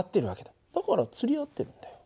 だから釣り合ってるんだよ。